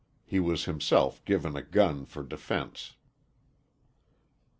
He was himself given a gun for defence.